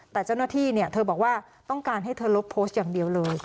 แต่เจ้าหน้าที่เธอบอกว่าต้องการให้เธอลบโพสต์อย่างเดียวเลย